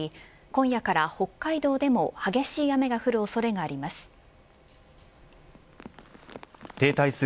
今夜から北海道でも激しい雨が降るおそれがあります。